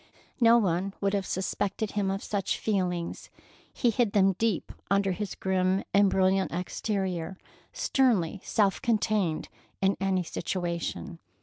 No one would have suspected him of such feelings. He hid them deep under his grim and brilliant exterior, sternly self contained in any situation.